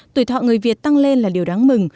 tuổi thọ người việt tăng lên là điều đáng mừng